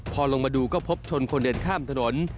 พอลงมาดูก็พบชนคนเดินข้ามถนน